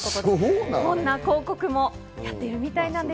こんな広告もやっているみたいで